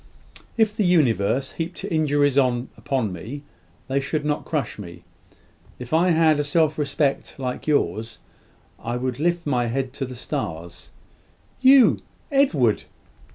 "If the universe heaped injuries upon me, they should not crush me. If I had a self respect like yours, I would lift my head to the stars." "You, Edward!"